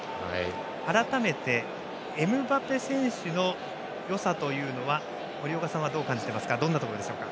改めてエムバペ選手のよさというのは森岡さん、どんなところですか。